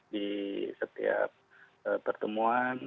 di setiap pertemuan